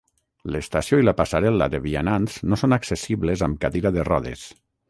L'estació i la passarel·la de vianants no són accessibles amb cadira de rodes.